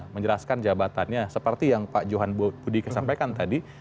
menjelaskan jabatannya seperti yang pak johan budi kesampaikan tadi